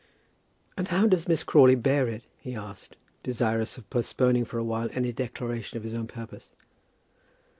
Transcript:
"And how does Miss Crawley bear it?" he asked, desirous of postponing for a while any declaration of his own purpose.